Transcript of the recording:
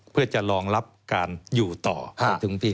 เพื่อจะรองรับการอยู่ต่อถึงที่๖๓